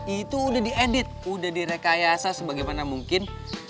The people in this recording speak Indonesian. itu udah diedit udah direkayasa sebagaimana mungkin